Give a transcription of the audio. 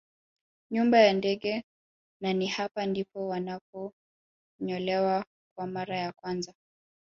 Nyumba ya ndege na ni hapa ndipo wanaponyolewa kwa mara ya kwanza